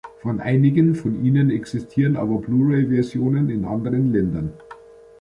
Von einigen von ihnen existieren aber Blu-ray-Versionen in anderen Ländern.